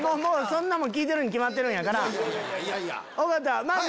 そんなもん聞いてるに決まってるんやから。